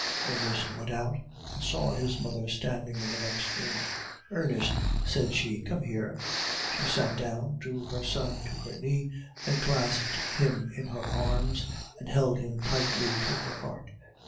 "Ernest went out and saw his mother standing in the next room. "'Ernest,' said she, 'come here.' "She sat down, drew her son to her knees, and clasped him in her arms, and held him tightly to her heart.